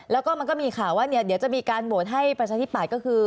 แล้วก็มันก็มีข่าวว่าเดี๋ยวจะมีการโหวตให้ประชาธิปัตย์ก็คือ